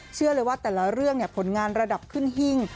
เชื่อเลยว่าแต่ละเรื่องผลงานระดับขึ้นหิ้ง